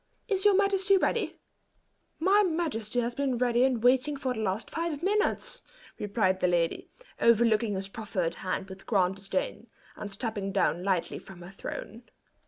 Is your majesty ready?" "My majesty has been ready and waiting for the last five minutes," replied the lady, over looking his proffered hand with grand disdain, and stepping lightly down from her throne.